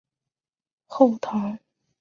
后唐是中国五代时期的政权之一。